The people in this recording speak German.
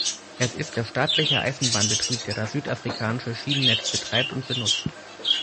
Es ist der staatliche Eisenbahnbetrieb, der das südafrikanische Schienennetz betreibt und benutzt.